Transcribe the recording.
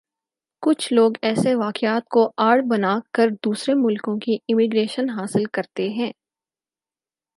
کُچھ لوگ ایسے واقعات کوآڑ بنا کردوسرے ملکوں کی امیگریشن حاصل کرتے ہیں